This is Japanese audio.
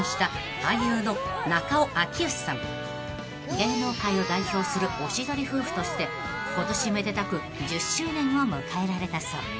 ［芸能界を代表するおしどり夫婦として今年めでたく１０周年を迎えられたそう］